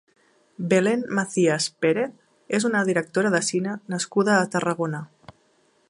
Belén Macías Pérez és una directora de cine nascuda a Tarragona.